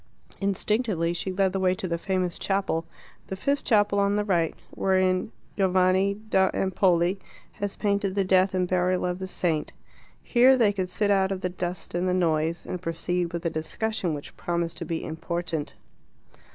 Instinctively she led the way to the famous chapel, the fifth chapel on the right, wherein Giovanni da Empoli has painted the death and burial of the saint. Here they could sit out of the dust and the noise, and proceed with a discussion which promised to be important.